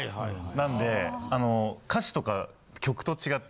なんで歌詞とか曲と違って。